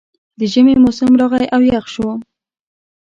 د ژمي موسم راغی او یخ شو